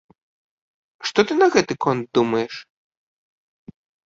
Што ты на гэты конт думаеш?